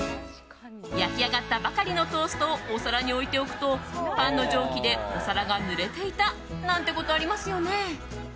焼き上がったばかりのトーストをお皿に置いておくとパンの蒸気でお皿がぬれていたなんてことありますよね。